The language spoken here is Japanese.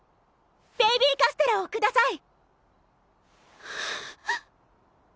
ベイビーカステラをください！